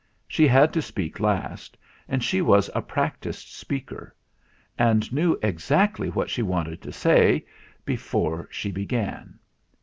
She had to speak last, and she was a practised speaker, and knew exactly what she wanted to say before she began.